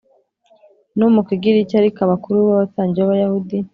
no mu kigiriki Ariko abakuru b abatambyi b Abayahudi